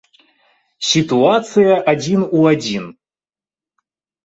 Сітуацыя адзін у адзін.